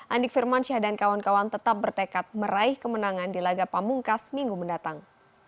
andik firmansyah dan kawan kawan tetap bertekad meraih kemenangan di laga pamungkas minggu mendatang